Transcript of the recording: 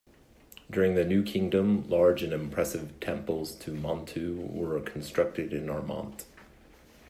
During the New Kingdom, large and impressive temples to Montu were constructed in Armant.